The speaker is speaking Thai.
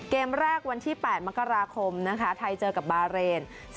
เกมแรกวันที่๘มกราคมนะคะไทยเจอกับบาเรน